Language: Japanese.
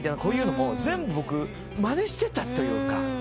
こういうのも全部僕まねしてたというか。